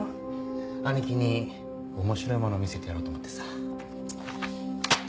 姉貴に面白いもの見せてやろうと思ってさ。